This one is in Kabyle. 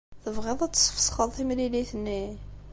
Tebɣiḍ ad tesfesxeḍ timlilit-nni?